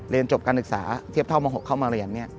จบการศึกษาเทียบเท่าม๖เข้ามาเรียน